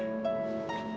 ya ma aku ngerti